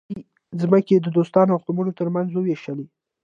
دوی ځمکې د دوستانو او قومونو ترمنځ وویشلې.